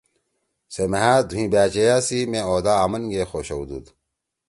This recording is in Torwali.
سے مھأ دھوئں بأچیئیا سی مےعہدہ اَمنگے خوشؤدُود